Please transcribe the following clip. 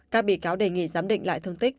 các bị cáo đề nghị giám định lại thương tích